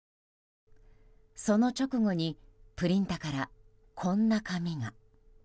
その直後にプリンターからこんな紙が。